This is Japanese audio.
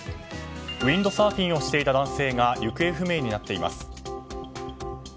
ウィンドサーフィンをしていた男性が行方不明になっています。